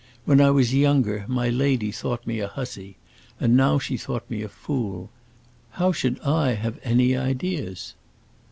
When I was younger my lady thought me a hussy, and now she thought me a fool. How should I have any ideas?"